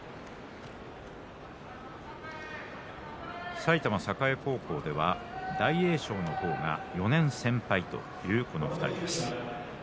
埼玉栄高校では大栄翔の方が４年先輩という２人です。